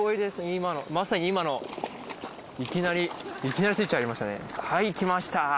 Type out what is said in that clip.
今のまさに今のいきなりいきなりスイッチ入りましたねはいきました